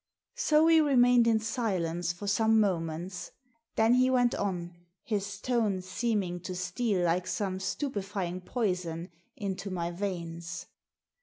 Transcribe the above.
So we remained in silence for some moments. Then he went on, his tone seeming to steal like some stupefying poison into my veins.